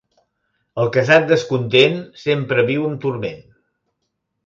El casat descontent sempre viu amb turment.